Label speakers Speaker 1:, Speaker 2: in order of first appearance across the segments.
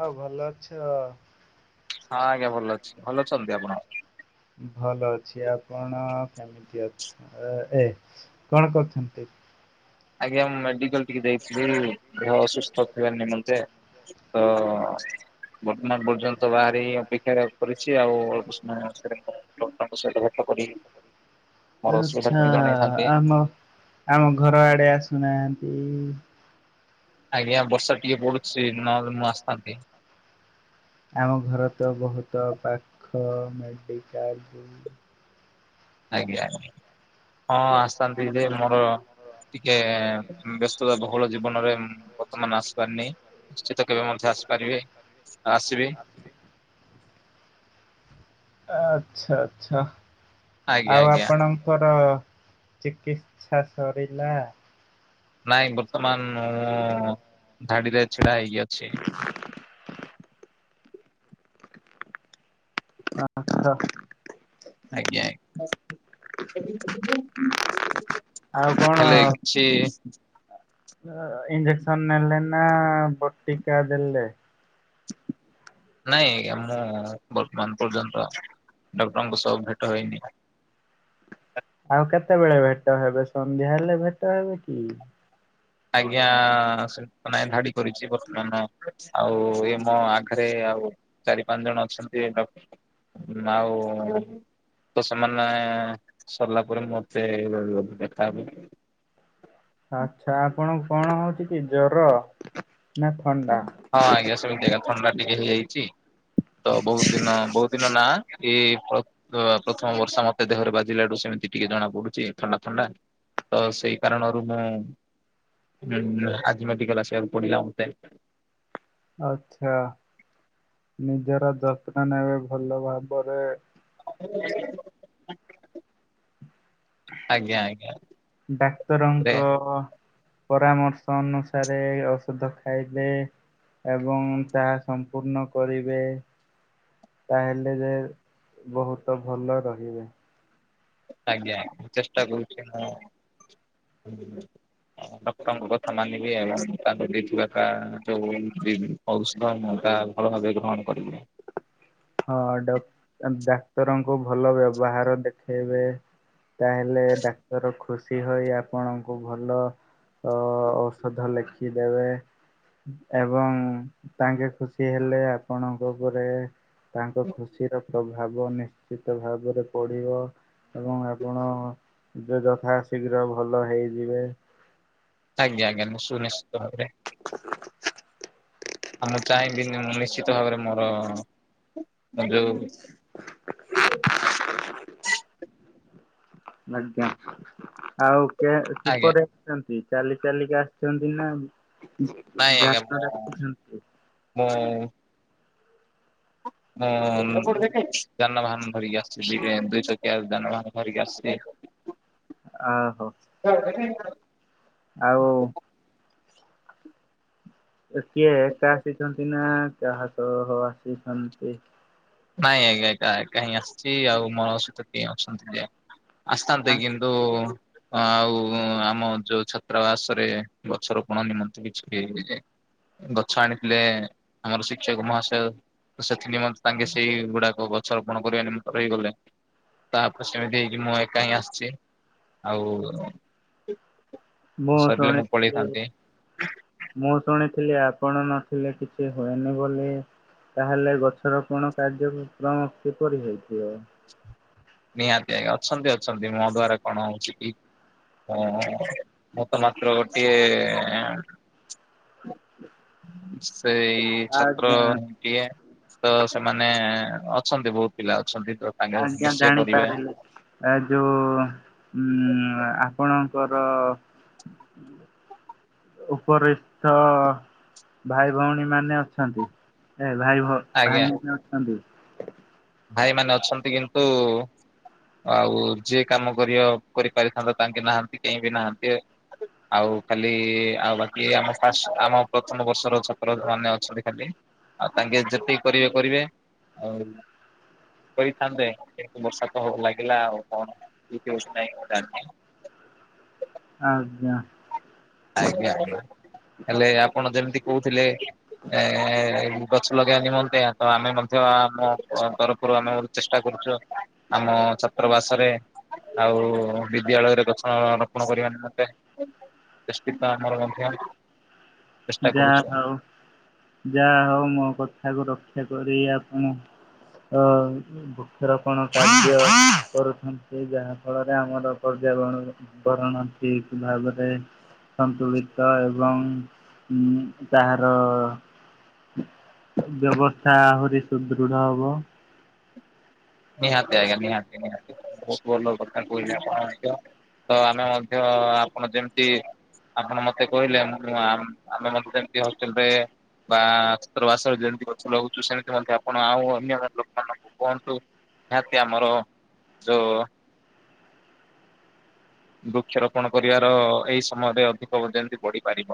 Speaker 1: ହଁ ଭଲ ଅଛ।
Speaker 2: ହଁ ଆଜ୍ଞା ଭଲ ଅଛି। ଭଲ ଅଛନ୍ତି ଆପଣ?
Speaker 1: ଭଲ ଅଛି ଆପଣ କେମିତି ଅଛ ଏ କଣ କରୁଛନ୍ତି?
Speaker 2: ଆଜ୍ଞା ମୁଁ ମେଡିକଲ ଟିକେ ଯାଇଥିଲି ଦେହ ଅସୁସ୍ଥ ଥିବା ନିମନ୍ତେ। ହଁ। ବର୍ତ୍ତମାନ ପର୍ଯ୍ୟନ୍ତ ବାହାରେ ହିଁ ଅପେକ୍ଷା କରିଛି ଆଉ ଅଳପ ସମୟ ମଧ୳ରେ ତାଙ୍କ ସହିତ ଭେଟ। କରିବି।
Speaker 1: ଆଛା ଆମ ଆମ ଘର ଆଡେ ଆସ। ସୁୁ ନାହାନ୍ତି।
Speaker 2: ଆଜ୍ଞା ବର୍ଷା ଟିକେ ବଢୁଛି ନହେନେ ମୁଁ ଆସିଥାନ୍ତି।
Speaker 1: ଆମ ଘର ତ ବହୁତ ପାଖ ମେଡିକାଲ ଯୋଉ
Speaker 2: ଆଜ୍ଞା ଆଜ୍ଞା ହଁ ଆସନ୍ତି ଯେ ମୋର ଟିକେ ବ୍ୟସ୍ତତା ବହୁଳ ଜୀବନରେ ବର୍ତ୍ତମାନ ଆସିପାରନି। ନିଶ୍ଚିତ କେବେ ମଧ୍ୟ ଆସି ପାରିବେ ଆସିବେ?
Speaker 1: ଆଚ୍ଛା ଆଚ୍ଛା
Speaker 2: ଆଜ୍ଞା
Speaker 1: ଆଉ
Speaker 2: ଆଜ୍ଞା
Speaker 1: ଆପଣଙ୍କର ଚିକିତ୍ସା ସରିଲା।
Speaker 2: ନାଇଁ ବର୍ତ୍ତମାନ ଧାଡିରେ ଛିଡା ହେଇକି ଅଛି।
Speaker 1: [unintelligible]
Speaker 2: ଆଜ୍ଞା ଆଜ୍ଞା
Speaker 1: ଆଉ କଣ
Speaker 2: ହେଲେ କିଛି
Speaker 1: ଇଞ୍ଜେକ୍ସନ ନେଲେ ନା ବଟିକା ଦେଲେ।
Speaker 2: ନାଇଁ ଆଜ୍ଞା ମୁଁ ବର୍ତ୍ତମାନ ପର୍ଯ୍ୟନ୍ତ ଡକ୍ଟରଙ୍କ ସହ ଭେଟ ହେଇନି। ହଁ
Speaker 1: ଆଉ କେତେବେଳେ ଭେଟ ହେବେ। ସନ୍ଧ୍ୟା ହେଲେ ଭେଟ ହେବେ କି?
Speaker 2: ଆଜ୍ଞା ସେ ନାଇଁ ଧାଡି କରିଛି। ବର୍ତ୍ତମାନ ଆଉ ଏ ମୋ ଆଗରେ ଆଉ ଚାରି ପାଞ୍ଚ ଜଣ ଅଛନ୍ତି ଆଉ। ତ ସେମାନେ ସରିଲା ପରେ ମତେ ଦେଖାହେବେ।
Speaker 1: ଆଛା ଆପଣକୁ କଣ ହଉଛି କି ଜର। ନା ଥଣ୍ଡା?
Speaker 2: ହଁ ଆଜ୍ଞା ସମିତିକା ଥଣ୍ଡା ଟିକେ ହେଇଚି। ତ ବହୁତ ଦିନ ବହୁତ ଦିନ ନା ଏଇ ପତ ପ୍ରଥମ ବର୍ଷା ମତେ ଦେହରେ ବାଜିଲାଡୁ ସେମିତି ଟିକେ ଜଣା ପଡୁଛି ଥଣ୍ଡା ଥଣ୍ଡା। ତ ସେଇ କାରଣରୁ ମୁଁ ଆଜି ମତେ ଆସିବାକୁ ପଡିଲା ମତେ। [inaudible]
Speaker 1: ଆଛା ନିଜର ଯତ୍ନ ନେବେ ଭଲ ଭାବରେ।
Speaker 2: [inaudible] ଆଜ୍ଞା ଆଜ୍ଞା ରେ
Speaker 1: ଡାକ୍ତରଙ୍କ ପରାମର୍ଶ ଅନୁସାରେ ଔଷଧ ଖାଇଲେ? ଏବଂ ତାହା ସମ୍ପୂର୍ଣ୍ଣ କରିବେ? ତାହେଲେ ଯେ ବହୁତ ଭଲ ରହିବେ।
Speaker 2: ଆଜ୍ଞା ଚେଷ୍ଟା କରୁଛି ମୁଁ। ଡକ୍ଟରଙ୍କ କଥା ମାନିବେ ଏବଂ ତାଙ୍କ ଦେଇଥିବା ତା ଯୋଉ ଔଷଧ ମୁଁ ତା ଭଲ ଭାବେ ଗ୍ରହଣ କରିବୁ।
Speaker 1: ହଁ ଡ ଡାକ୍ତରଙ୍କୁ ଭଲ ବ୍ୟବହାର ଦେଖେଇବେ। ତାହେଲେ ଡାକ୍ତର ଖୁସ ସି ହୋଇ ଆପଣଙ୍କୁ ଭଲ ଅ ଔଷଧ ଲେଖି ଦେବେ। ଏବଂ ତାଙ୍କେ ଖୁସି ହେଲେ ଆପଣଙ୍କ ଉପରେ ତାଙ୍କ ଖୁସିର ପ୍ରଭାବ ନିଶ୍ଚିତ ଭାବରେ ପଡ଼ିବ ଏବଂ ଆପଣ ଯ ଯଥା ଶୀଘ୍ର ଭଲ ହେଇଯିବେ।
Speaker 2: ଆଜ୍ଞ ଆଜ୍ଞା ନିଶ ଶୁନିଶ୍ଚିତ ଭାବରେ।
Speaker 1: ହ
Speaker 2: ଆଉ ମୁଁ ଚାହିଁବିନି ମୁଁ ନିଶ୍ଚିତ ଭାବରେ ମୋର ଆ ଯୋଉ
Speaker 1: ଆଜ୍ଞା ଆଉ କେ
Speaker 2: ଆଜ୍ଞା
Speaker 1: କିପରି ଅଛନ୍ତି? ଚାଲି ଚାଲିକା ଆସିଛନ୍ତି ନା ଯା
Speaker 2: ନାଇଁ ଆଜ୍ଞା ମୁଁ
Speaker 1: ଯାନରେ ଆସିଛନ୍ତି?
Speaker 2: ମୁଁ [unintelligible] ମୁଁ ଯାନବାହାନ ଧରିକି ଆସିଲି। ଏ ଦ ଦୁଇ ଚକିଆ ଯାନବାହାନ ଧରିକି ଆସଛି।
Speaker 1: ଓହୋ ଆଉ
Speaker 2: [unintelligible]
Speaker 1: କିଏ ଏକା ଆସିଛନ୍ତି ନା କାହା ସହ ଆସିଛନ୍ତି?
Speaker 2: ନାଇଁ ଆଜ୍ଞା ଏକା ଏକା ହିଁ ଆସିଛି ଆଉ ମୋର ସହିତ କେହି ଅଛନ୍ତି ଯେ ଆସିଥାନ୍ତି କିନ୍ତୁ ଆଉ ଆମ ଯୋଉ ଛାତ୍ରାବାସରେ ଗଛରୋପଣ ନିମନ୍ତେ କିଛି ଗଛ ଆଣିଥିଲେ ଆମର ଶିକ୍ଷକ ମହାଶୟ ସେଥି ନିମତେ ତାଙ୍କେ ସେଇ ଗୁଡାକ ଗଛ ରୋପଣ କରିବା ନିମତ ରହିଗଲେ। ତାପରେ ସେମିତି ହେଇଛି ମୁଁ ଏକା ହିଁ ଆସିଛି। ଆଉ
Speaker 1: ମୁଁ
Speaker 2: ସରିଲେ
Speaker 1: ଶୁଣିଥିଲି
Speaker 2: ପଳେଇଥାନ୍ତି
Speaker 1: ମୁଁ ଶୁଣିଥିଲି ଆ ଆପଣ ନଥିଲେ କିଛି ହୁଏନି ବୋଲି? ତାହେଲେ ଗଛରୋପଣ କାର୍ଯ୍ୟକ୍ରମ କିପରି ହେଇଥିବ?
Speaker 2: ନିହାତି ଆଜ୍ଞା ଅଛନ୍ତି ଅଛନ୍ତି ମୋ ଦ୍ଵାରା କଣ ହଉଛି କି? ହ ମୁଁ ତ ମାତ୍ର ଗୋଟିଏ
Speaker 1: ହ
Speaker 2: ସେଇ ଛାତ୍ରଟିଏ ତ ସେମାନେ ଅଛନ୍ତି ବହୁତ ପିଲା ଅଛନ୍ତି ତ ସାଙ୍ଗେ ମିଶି
Speaker 1: ପାରିଲୁ ଆ ଯୋଉ ଉ ହୁଁ ଆପଣଙ୍କର ଉପରିସ୍ତ ଭାଇ ଭଉଣୀ ମାନେ ଅଛନ୍ତି? ଭାଇ ଭୋ
Speaker 2: ଆଜ୍ଞା
Speaker 1: ଭାଇ ଅଛନ୍ତି।
Speaker 2: ଭାଇମାନେ ଅଛନ୍ତି କିନ୍ତୁ ଆଉ ଯିଏ କାମ କରିବ କରିପାରିଥାନ୍ତା ତାଙ୍କେ ନାହାନ୍ତି କେହି ବି ନାହାନ୍ତି। ଆଉ ଆ ଖାଲି ଆଉ ବାକି ଆମ ଫାଷ୍ଟ ଆମ ପ୍ରଥମ ବର୍ଷର ଛତ୍ର ମାନେ ଅଛନ୍ତି ଖାଲି। ଆଉ ତାଙ୍କେ ଯେତିକି କରିବେ କରିବେ ଆଉ କରିଥାନ୍ତେ କିନ୍ତୁ ବର୍ଷା ତ ହବ ଲାଗିଲା ଆଉ କଣ [unintelligible]
Speaker 1: ଆଜ୍ଞା।
Speaker 2: ଆଜ୍ଞା ହେଲେ ଆପଣ ଯେମିତି କହୁଥିଲେ ଏ ଗଛ ଲଗେଇବା ନିମନ୍ତେ ତ ଆମେ ମଧ୍ୟ ଆମ ତରଫରୁ ଆମେ ଚେଷ୍ଟା କରୁଛୁ ଆମ ଛାତ୍ର ବାସରେ ଆଉ ବିଦ୍ୟାଳୟରେ ଗଛ ରୋପଣ କରିବା ନିମନ୍ତେ ଚେଷ୍ଟିତ ଆମର ମଧ୍ୟ। ଚେଷ୍ଟା
Speaker 1: ଯାହା
Speaker 2: କରୁଛୁ।
Speaker 1: ହଉ ଯାହା ହଉ ମୋ କଥାକୁ ରଖ ଖ୍ୟା କରି ଆପଣ ଅ ବୃକ୍ଷରୋପଣ କାର୍ଯ୍ୟ କରୁଛନ୍ତି ଯାହା ଫଳରେ ଆମର ପ ଯା ଗଣ ଗଣନା ଠିକ ଭାବରେ ସନ୍ତୁଳିତ ଏବଂ ହଁ ତାହାର ବ୍ୟବସ୍ଥା ଆହୁରି ସୁଦୃଢ ହବ।
Speaker 2: ନିହାତି ଆଜ୍ଞା ନିହାତି ନିହାତି ବହୁତ ଭଲ କଥା କହିଲେ ଆପଣ ମଧ୍ୟ। ତ ଆମେ ମଧ୍ୟ ଆପଣ ଯେମିତି ଆପଣ ମତେ କହିଲେ ମୁଁ ଆ ଆମେ ମତେ ଯେମତି ହଷ୍ଟେଲରେ [unintelligible] ଯେମିତି ଗଛ ଲଗଉଚୁ ସେମିତି ମଧ୍ୟ ଆପଣ ଆଉ ଅନ୍ୟ ଲୋକମାନଙ୍କୁ କୁହନ୍ତୁ। ନିହାତି ଆମର ଯୋ ବୃକ୍ଷରୋପଣ କରିବାର ଏଇ ସମୟରେ ଅଧିକ ଯେମିତି ବଢିପାରିବ।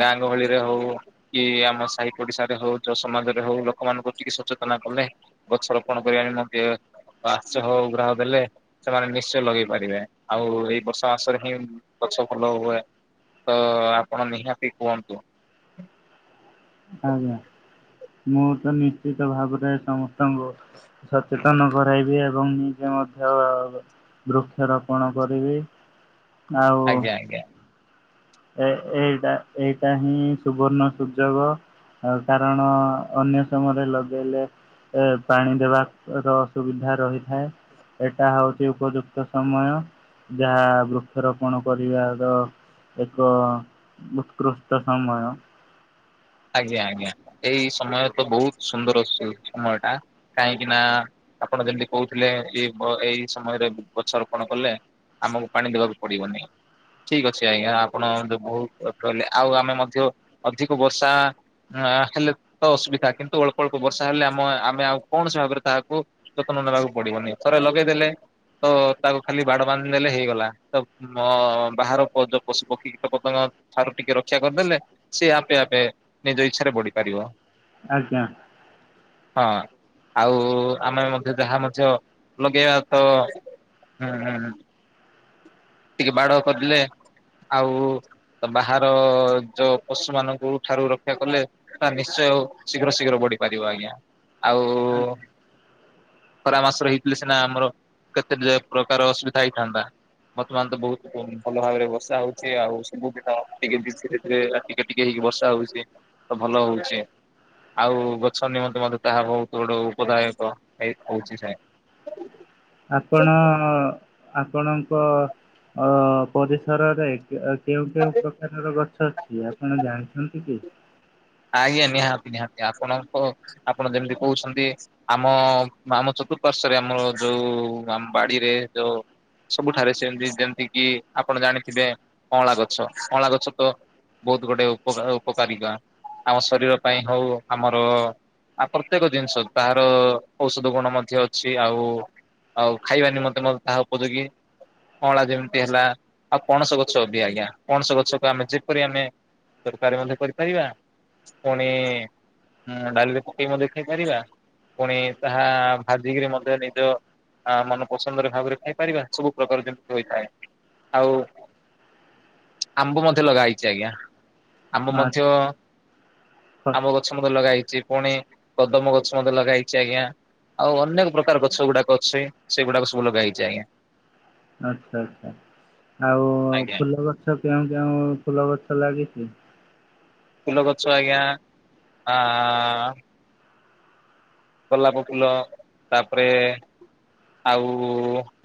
Speaker 2: ଗାଁ ଗହଳି ରେ ହଉ କି ଆମ ସାହି ଓଡିଶା ରେ ହଉ ଯ ସମାଜ ରେ ହଉ ଲୋକମାନଙ୍କୁ ଟିକେ ସଚେତନ କଲେ, ଗଛ ରୋପଣ କରିବା ରେ ମଧ୍ୟ [unintelligible] ଦେଲେ ସେମାନେ ନିଶ୍ଚୟ ଲଗେଇ ପାରିବେ। ଆଉ [unintelligible] ଗଛ ଭଲ ହୁଏ। ତ ଆପଣ ନିହାତି କୁହନ୍ତୁ।
Speaker 1: ଆଜ୍ଞା। ମୁଁ ତ ନିଜେ ତ ଭାବୁଥାଏ ସମସ୍ତଙ୍କୁ ସଚେତନ କରାଇବି ଏବଂ ନିଜ ମଧ୍ୟ ବୃକ୍ଷରୋପଣ କରିବି ଆଉ
Speaker 2: ଆଜ୍ଞା ଆଜ୍ଞା
Speaker 1: ଏ ଏଇଟା ଏଇଟା ହିଁ ସୁବର୍ଣ୍ଣ ସୁଯୋଗ। ଆଉ କାରଣ ଅନ୍ୟ ସମୟରେ ଲଗେଇଲେ ଏ ପାଣି ଦେବା ର ଅସୁବିଧା ରହିଥାଏ। ଏଟା ହଉଚି ଉପଯୁକ୍ତ ସମୟ। ଯାହା ବୃକ୍ଷରୋପଣ କରିବାର ଏକ ଉତ୍କୃଷ୍ଟ ସମୟ।
Speaker 2: ଆଜ୍ଞା ଆଜ୍ଞା ଏଇ ସମୟ ତ ବହୁତ ସୁନ୍ଦର ସମୟ ଟା। କାହିଁକି ନା ଆପଣ ଯେମିତି କହୁଥିଲେ ଇଏ ଏଇ ସମୟରେ ଗଛରୋପଣ କଲେ ଆମକୁ ପାଣି ଦବାକୁ ପଡିିବନି। ଠିକ ଅଛି ଆଜ୍ଞା ଆପଣ ବହୁତ କଲେ ଆଉ ଆମେ ମଧ୍ୟ ଅଧିକ ବର୍ଷା ହେଲେ ତ ଅସୁବିଧା। କିନ୍ତୁ ଅଳ୍ପ ଅଳ୍ପ ବର୍ଷା ହେଲେ ଆମ ଆମେ ଆଉ କୌଣସି ଭାବରେ ତାହା ଯତ୍ନ ନେବାକୁ ପଡିବନି। ଥରେ ଲଗେଇଦେଲେ ତ ତାକୁ ଖାଲି ବାଡ ବାନ୍ଧି ଦେଲେ ହେଇଗଲା। ତ ବାହାର ପଶୁ ପକ୍ଷୀ କୀତ ପତଙ୍ଗ ଠାରୁ ଟିକେ ରକ୍ଷା କରିଦେଲେ ସିଏ ଆପେ ଆପେ ନିଜ ଇଚ୍ଛାରେ ବଢି ପାରିବ।
Speaker 1: ଆଜ୍ଞା।
Speaker 2: ହଁ ଆଉ ଆମେ ମଧ୍ୟ ଯାହା ମଧ୍ୟ ଲଗେଇବା ତ ହୁଁ ହୁଁ ଟିକେ ବାଡ କରିଦେଲେ ଆଉ ବାହାର ଯୋଉ ପଶୁ ମାନ ଠାରୁ ରକ୍ଷା କଲେ ତା ନିଶ୍ଚୟ ଆଉ ଶୀଘ୍ର ଶୀଘ୍ର ବଢି ପାରିବ ଆଜ୍ଞା। ଆଉ
Speaker 1: ଆଜ୍ଞା।
Speaker 2: ଖରା ମାସରେ ହେଇଥିଲେ ସିନା ଆମର କେତେ ପ୍ରକାର ଅସୁବିଧା ହେଇଥାନ୍ତା। ବର୍ତ୍ତମାନ ତ ବହୁତ ଭଲ ଭାବରେ ବର୍ଷା ହଉଚି। ଆଉ ସବୁଦିନ [unintelligible] ଟିକେ ଟିକେ ହେଇକି ବର୍ଷା ହଉଚି। ତ ଭଲ ହଉଚି କି ଆଉ ଗଛ ନିମନ୍ତେ ମଧ୍ୟେ ତାହା ବହୁତ ଗୁଡେ ଉପଦାୟକ ହେଇ ହଉଚି। [inaudible]
Speaker 1: ଆପଣ ଆପଣଙ୍କ ଅ ପରିସରରେ କେଉଁ କେଉଁ ପ୍ରକାରର ଗଛ ଅଛି ଆପଣ ଜାଣିଛନ୍ତି କି?
Speaker 2: ଆଜ୍ଞା ନିହାତି ନିହାତି ଆପଣଙ୍କ ଆପଣ ଯେମିତି କହୁଛନ୍ତି ଆମ ଆମ ଚତୁର ପାର୍ଶ୍ୱ ରେ ଆମର ଯୋଉ ଆମ ବାଡିରେ ଯୋଉ ସବୁଠାରେ ସେମତି ଯେମିତି କିି ଆପଣ ଜାଣିଥିବେ ଅଁଳା ଗଛ, ଅଁଳା ଗଛ ତ ବହୁତ ଗୋଟେ ଉପ ଉପକାରିତା ଆମ ଶରୀର ପାଇଁ ହଉ ଆମର ଆ ପ୍ରତ୍ୟେକ ଜିନିଷ ତାହାର ଔଷଧ ଗୁଣ ମଧ୍ୟ ଅଛି। ଆଉ ଆଉ ଖାଇବା ନିମନ୍ତେ ମଧ୍ୟ ତାହା ଉପଯୋଗୀ। ଅଁଳା ଯେମିତି ହେଲା। ଆଉ ପଣସ ଗଛ ବି ଆଜ୍ଞା ପଣସ ଗଛକୁ ଆମେ ଯେପରି ଆମେ ତରକାରୀ ମଧ୍ୟ କରିପାରିବା। ପୁଣି ଉଁ ଡାଲିରେ ପକେଇ ମଧ୍ୟ ଖାଇ ପାରିବା। ପୁଣି ତାହା ଭାଜିକିରି ମଧ୍ୟ ନିଜ ଆ ମନ ପସନ୍ଦର ଭାବରେ ଖାଇପାରିବା। ସବୁ ପ୍ରକାର ଯେମିତି ହୋଇଥାଏ। ଆଉ ଆମ୍ବ ମଧ୍ୟ ଲଗା ହେଇଛି ଆଜ୍ଞା, ଆମ୍ବ ମଧ୍ୟ
Speaker 1: ଆଚ୍ଛା
Speaker 2: ଆମ ଗଛ ମଧ୍ୟ ଲଗା ହେଇଛି, ପୁଣି କଦମ ଗଛ ମଧ୍ୟ ଲଗା ହେେଇଛି ଆଜ୍ଞା। ଆଉ ଅନେକ ପ୍ରକାର ଗଛ ଗୁଡାକ ଅଛି ସେଗୁଡାକ ସବୁ ଲଗା ହେଇଛି ଆଜ୍ଞା।
Speaker 1: ଆଚ୍ଛା ଆଚ୍ଛା ଆଉ
Speaker 2: ଆଜ୍ଞା
Speaker 1: ଫୁଲ ଗଛ କେଉଁ କେଉଁ ଫୁଲ ଗଛ ଲାଗିଛି?
Speaker 2: ଫୁଲ ଗଛ ଆଜ୍ଞା, ଆଁ ଆଁ ଗୋଲାପ ଫୁଲ ତାପରେ ଆଉ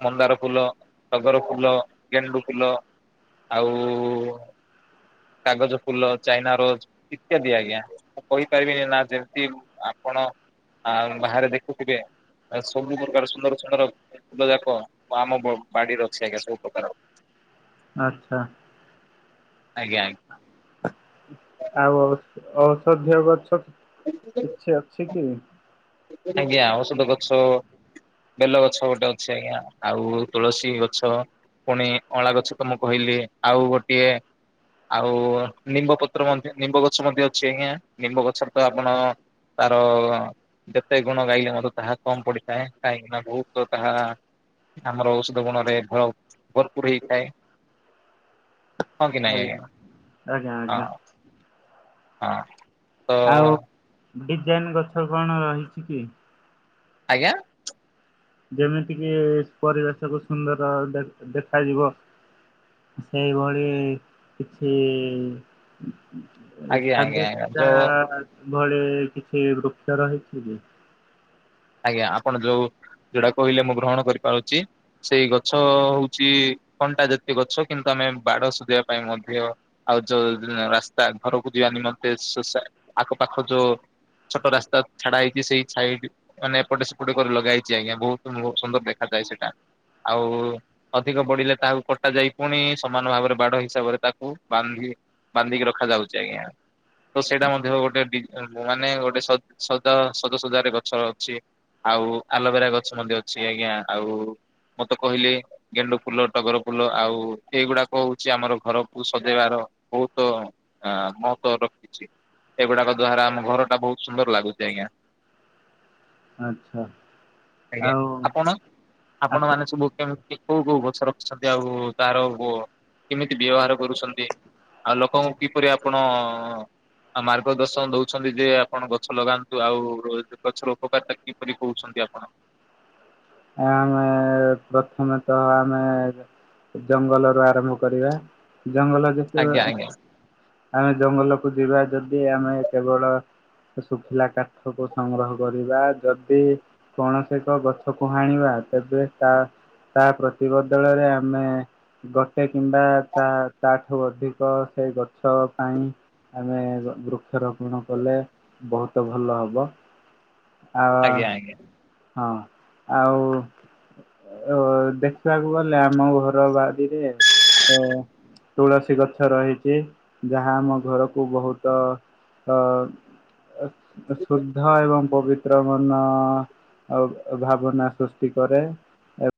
Speaker 2: ମନ୍ଦାର ଫୁଲ, ଟଗର ଫୁଲ, ଗେଣ୍ଡୁ ଫୁଲ ଆଉ ଉ ଉ କାଗଜ ଫୁଲ, ଚାଇନା ରୋଜ ଇତ୍ୟାଦି ଆଜ୍ଞା, ମୁଁ କହିପାରିବିନି ନା ଯେମିତି ଆପଣ ଆ ବାହାରେ ଦେଖୁଥିବେ? ସବୁ ପ୍ରକାର ସୁନ୍ଦର ସୁନ୍ଦର ଫୁଲ ଯାକ ଆମ ବାଡିରେ ଅଛି ଆଜ୍ଞା, ସବୁ ପ୍ରକାର [inaudible]
Speaker 1: ଆଛା
Speaker 2: ଆଜ୍ଞା ଆଜ୍ଞା
Speaker 1: ଆଉ ଔଷଧୀୟ ଗଛ କିଛି ଅଛି କି?
Speaker 2: ଆଜ୍ଞା, ଔଷଧ ଗଛ ବେଲ ଗଛ ଗୋଟେ ଅଛି ଆଜ୍ଞା, ଆଉ ତୁଳସୀ ଗଛ ପୁଣି ଅଁଳା ଗଛ ତ ମୁଁ କହିଲି, ଆଉ ଗୋଟିଏ ଆଉ ନିମ୍ବ ପତ୍ର ମଧ୍ୟ ନିମ୍ବ ଗଛ ମଧ୍ୟ ଅଛି ଆଜ୍ଞା ନିମ୍ବ ଗଛରେ ତ ଆପଣ ତାର ଅ ଯେତେ ଗୁଣ ଗାଇଲେ ମଧ୍ୟ ତାହା କମ ପଡିଥାଏ, କାହିଁକିନା ବହୁତ ତାହା ଆମର ଔଷଧ ଗୁଣ ରେ ଭୟ ଭରପୁର ହେଇଥାଏ। ହଁ କି ନାଇଁ ଆଜ୍ଞା।
Speaker 1: ଆଜ୍ଞା ଆଜ୍ଞା।
Speaker 2: ହଁ ହଁ ତ ଅ
Speaker 1: ଡିଜାଇନ୍ ଗଛ କଣ ରହିଛି କି?
Speaker 2: ଆଜ୍ଞା ଆ
Speaker 1: ଯେମିତି କିି ପରିବେଶକୁୁ ସୁନ୍ଦର ଦେଖାଯିବ। ସେଇଭଳି କିଛି ଇ
Speaker 2: ଆଜ୍ଞା ଆଜ୍ଞା ଆଜ୍ଞା ଯୋଉ
Speaker 1: [unintelligible] ଭଳି କିଛି ବୃକ୍ଷ ରହିଛି ଯେ
Speaker 2: ଆଜ୍ଞା ଆପଣ ଯୋଉ ଯୋଉଟା କହିଲେ ମୁଁ ଗ୍ରହଣ କରିପାରୁଛି, ସେଇ ଗଛ ହଉଛି କଣ୍ଟା ଜାତୀୟ ଗଛ କିନ୍ତୁ ଆମ ଆମେ ବାଡ ସଝେଇବା ପାଇଁ ମଧ୍ୟ ଆଉ ଯୋଉ ରାସ୍ତା ଘରକୁ ଯିବା ନିମନ୍ତେ ଶୋଷା ଆଖ ପାଖ ଯୋଉ ଛୋଟ ରାସ୍ତା ଛାଡା ହେଇଛି ସେଇ ସାଇଡ ମାନେ ଏପଟେ ସେପଟେ କରି ଲଗାହେଇଛି ଆଜ୍ଞା, ବହୁତ ସୁନ୍ଦର ଦେଖାଯାଏ ସେଇଟା। ଆଉ ଅଧିକ ବଢିଲେ ତାହାକୁ କଟା ଯାଇ ପୁଣି ସମାନ ଭାବରେ ବାଡ ହିସାବରେ ତାକୁ ବାନ୍ଧି ବାନ୍ଧିକି ରଖାଯାଉଛି, ଆଜ୍ଞା। ତ ସେଇଟା ମଧ୍ୟ ଗୋଟେ ମାନେ ଗୋଟେ ସଜା ସଜାସଜାରେ ଗଛ ଅଛି। ଆଉ ଆଲୋଭେରା ଗଛ ମଧ୍ୟ ଅଛି ଆଜ୍ଞା, ଆଉ ମୁଁ ତ କହିଲି ଗେଣ୍ଡୁ ଫୁଲ, ଟଗର ଫୁଲ ଆଉ ଏଇଗୁଡାକ ହଉଛି ଆମର ଘରକୁ ସଜେଇବାର ବହୁତ ଅ ମହତ୍ବ ରଖୁଛି। ଏଗୁଡାକ ଦ୍ଵାରା ଆମ ଘର ଟା ବହୁତ ସୁନ୍ଦର ଲାଗୁଚି, ଆଜ୍ଞା।
Speaker 1: ଆଚ୍ଛା
Speaker 2: ଆଜ୍ଞା,
Speaker 1: ଆଉ
Speaker 2: ଆପଣ ଆପଣ
Speaker 1: ଆପ
Speaker 2: ମାନେ ସବୁ? କେମତି କୋଉ କୋଉ ଗଛ ରଖିଛନ୍ତି ଆଉ ତାର କେମିତି ବ୍ୟବହାର କରୁଛନ୍ତି? ଆଉ ଲୋକଙ୍କୁ କିପରି ଆପଣ? ଆଉ ମାର୍ଗ ଦର୍ଶନ ଦଉଛନ୍ତି ଯେ- ଆପଣ ଗଛ ଲଗାନ୍ତୁ ଆଉ ର ଗଛର ଉପକାରତା କିପରି କହୁଛନ୍ତି ଆପଣ?
Speaker 1: ପ୍ରଥମେତଃ ଆମେ ଜଙ୍ଗଲରୁୁ ଆରମ୍ଭ କରିବା। ଜଙ୍ଗଲ ଯେତେବେ
Speaker 2: ଆଜ୍ଞା ଆଜ୍ଞା
Speaker 1: ଆମେ ଜଙ୍ଗଲକୁ ଯିବା ଯଦି ଆମେ କେବଳ ଶୁଖିଲା କାଠକୁ ସଂଗ୍ରହ କରିବା ଯଦି କୌଣସି ଏକ ଗଛକୁ ହାଣିବା। ତେବେ ତା ତା ପ୍ରତି ବଦଳରେ ଆମେ। ଗୋଟେ କିମ୍ବା ତା ତା ଠୁ ଅଧିକ ସେଇ ଗଛ ପାଇଁ। ଆମେ ଗ ବୃକ୍ଷ‌ ରୋପଣ କଲେ ବହୁତ ଭଲ ହବ। ଆ
Speaker 2: ଆଜ୍ଞା ଆଜ୍ଞା।
Speaker 1: ହଁ ଆଉ। ଓ ଦେଖିବାକୁ ଗଲେ ଆମ ଘର ବାଡିରେ ତ। ତୁଳସୀ ଗଛ ରହିଛି ଯାହା ଆମ ଘରକୁ ବହୁତ। ଅ ଏ ଅ ଶୁଦ୍ଧ ଏବଂ। ପବିତ୍ର ମନ ଆଉ ଅ ଭାବନା ସୃଷ୍ଟି କରେ ଏବ୍